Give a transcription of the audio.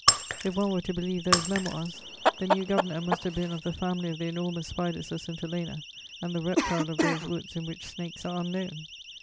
If one were to believe those Memoirs, the new Governor must have been of the family of the enormous spiders of St. Helena and the reptile of those woods in which snakes are unknown.